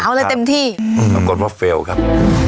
เอาเลยเต็มที่ปรากฏว่าเฟลล์ครับ